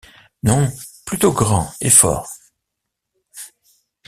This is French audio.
Non, plutôt grand et fort...